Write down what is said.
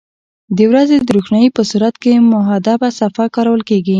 د ورځې د روښنایي په صورت کې محدبه صفحه کارول کیږي.